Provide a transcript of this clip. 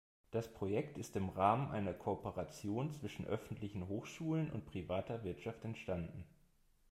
Das Projekt ist im Rahmen einer Kooperation zwischen öffentlichen Hochschulen und privater Wirtschaft entstanden.